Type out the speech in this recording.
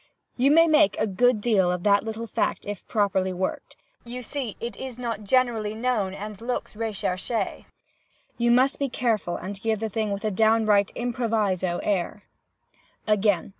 You may make a good deal of that little fact if properly worked. You see it is not generally known, and looks recherché. You must be careful and give the thing with a downright improviso air. "Again.